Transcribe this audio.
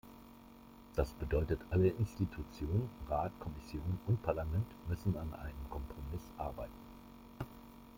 Das bedeutet, alle Institutionen Rat, Kommission und Parlament müssen an einem Kompromiss arbeiten.